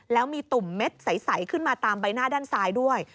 แล้วมีตุ่มเม็ดใสขึ้นมาตามใบหน้าด้านซ้ายด้วย